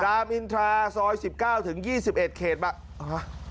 ดามอินทราซอย๑๙๒๑เขตมา